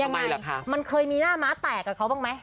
ยังไงมันเคยมีหน้าม้าแตกกับเขาบ้างไหม